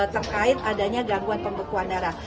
terkait adanya gangguan pembekuan darah